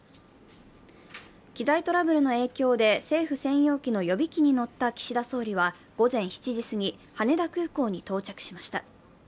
機材トラブルの影響で政府専用機の予備機に乗った岸田総理は午前７時すぎ、羽田空港に到着しました。